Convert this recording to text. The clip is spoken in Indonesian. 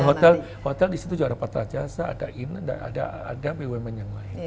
hotel hotel disitu juga ada patra jasa ada inn ada bumn yang lain